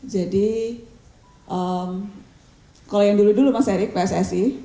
jadi kalau yang dulu dulu mas erick pssi